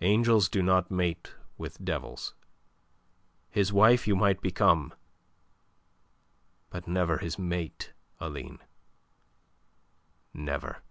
Angels do not mate with devils. His wife you might become, but never his mate, Aline never."